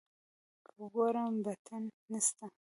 که ګورم بټن نسته.